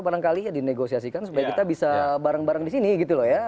barangkali ya dinegosiasikan supaya kita bisa bareng bareng di sini gitu loh ya